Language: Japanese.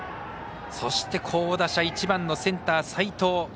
そして、好打者１番のセンター齋藤。